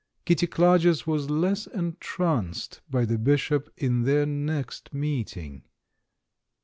Kitty Clarges was less en tranced by the Bishop in their next meeting.